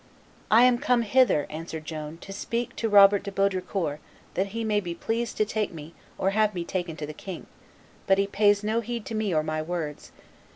"I am come hither," answered Joan, "to speak to Robert de Baudricourt, that he may be pleased to take me or have me taken to the king; but he pays no heed to me or my words.